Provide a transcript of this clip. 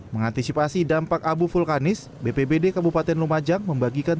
mengantisipasi dampak abu vulkanis bpbd kabupaten lumajang membagikan